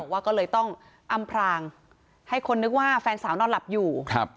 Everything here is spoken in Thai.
เขาบอกต้องอำพรางให้คนนึกว่าแฟนสานอนหลับอยู่